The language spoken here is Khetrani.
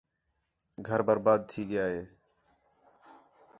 گھر برباد تھی ڳیا ہے